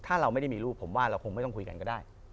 ถ้าเราไม่ได้มีลูกผมว่าเราคงไม่ต้องคุยกันก็ได้